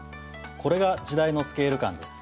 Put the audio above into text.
これが時代のスケール感です。